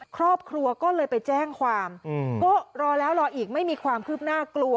ครอบครัวก็เลยไปแจ้งความก็รอแล้วรออีกไม่มีความคืบหน้ากลัว